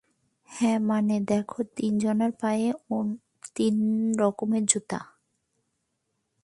হ্যাঁ, মানে, দেখো, তিনজনের পায়ে তিন রকমের জুতো।